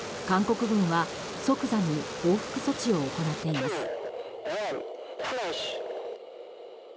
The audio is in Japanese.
韓国軍は即座に報復措置を行っています。